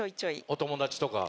お友達とか。